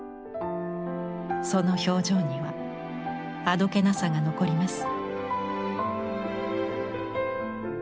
その表情にはあどけなさが残ります。